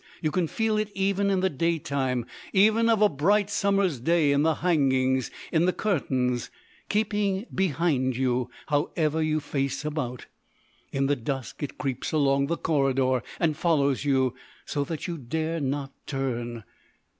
You can feel it even in the daytime, even of a bright summer's day, in the hangings, in the curtains, keeping behind you however you face about. In the dusk it creeps along the corridor and follows you, so that you dare not turn.